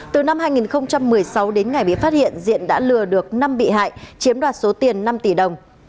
từ năm hai nghìn một mươi sáu đến ngày bị phát hiện diện đã lừa được năm bị hại chiếm đoạt số tiền năm tỷ đồng